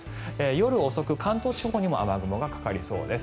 夜遅く、関東地方にも雨雲がかかりそうです。